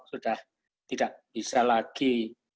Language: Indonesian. sudah tidak bisa lagi